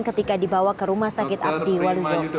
ketika dibawa ke rumah sakit abdiwaluyo